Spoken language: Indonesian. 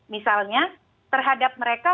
misalnya terhadap mereka